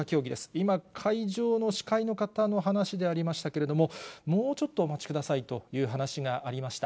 今、会場の司会の方の話でありましたけれども、もうちょっとお待ちくださいという話がありました。